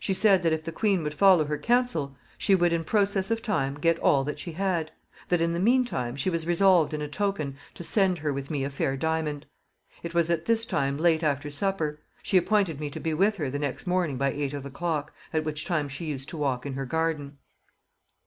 She said, that if the queen would follow her counsel, she would in process of time get all that she had; that in the meantime she was resolved in a token to send her with me a fair diamond. It was at this time late after supper; she appointed me to be with her the next morning by eight of the clock, at which time she used to walk in her garden."